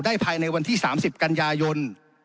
ได้ภายในวันที่๓๐กัญญายน๖๓